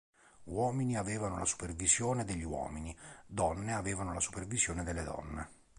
Uomini avevano la supervisione degli uomini; donne avevano la supervisione delle donne.